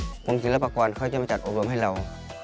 กรมศิลปากรเขาจะมาจัดอบรมให้เรา